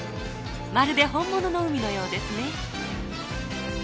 まるで本物の海のようですね。